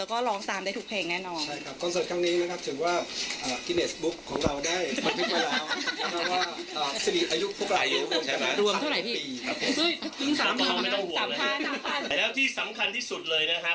ของเราได้รวมเท่าไรพี่ครับผมที่สำคัญที่สุดเลยนะฮะ